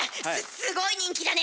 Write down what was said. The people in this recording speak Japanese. すごい人気だね！